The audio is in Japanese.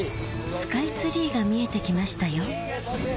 スカイツリーが見えて来ましたよ